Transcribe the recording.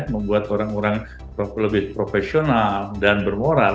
membuat orang orang lebih profesional dan bermoral